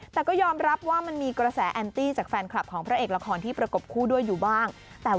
แต่ก็ยอมรับว่ามันมีกระแสแอนตี้จากแฟนคลับของพระเอกละครที่ประกบคู่ด้วยอยู่บ้าง